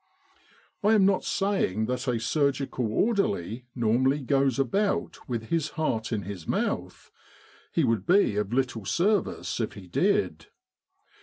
I am not saying that a surgical orderly normally goes about with his heart in his mouth he would be of little service if he did.